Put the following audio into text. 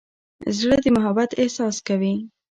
زړه د محبت احساس کوي.